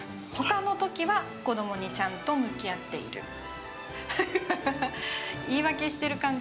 ほかのときは、子どもにちゃんと向き合っている。